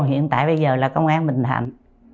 hiện tại bây giờ là công an bình thạnh